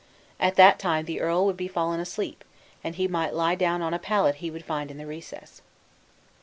At that time the earl would be fallen asleep, and he might then lie down on a pallet he would find in the recess.